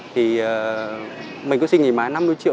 thì mình cứ suy nghĩ mà năm mươi triệu